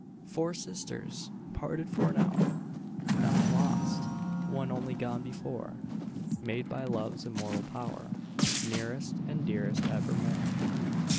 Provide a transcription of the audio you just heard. Four sisters, parted for an hour, None lost, one only gone before, Made by love's immortal power, Nearest and dearest evermore.